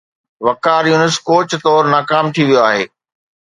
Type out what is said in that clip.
وقار Younis coach طور ناڪام ٿي ويو آهي.